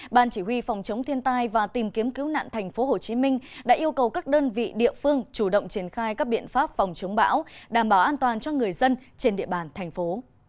bàn chỉ huy phòng chống thiên tai và tìm kiếm cứu nạn thành phố hồ chí minh đã yêu cầu các đơn vị địa phương chủ động triển khai các biện pháp phòng chống bão đảm bảo an toàn cho người dân trên địa bàn thành phố